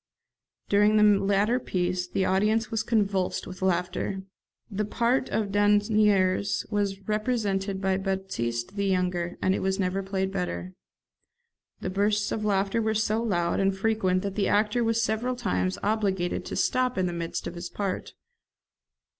During the latter piece the audience was convulsed with laughter. The part of Dasnieres was represented by Batiste the younger, and it was never played better. The bursts of laughter were so loud and frequent that the actor was several times obliged to stop in the midst of his part.